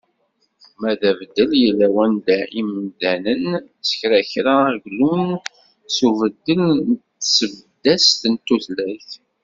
Ma d abeddel yella wanda imdanen, s kra kra ad glun s ubeddel n tseddast n tutlayt.